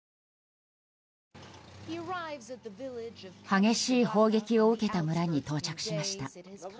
激しい砲撃を受けた村に到着しました。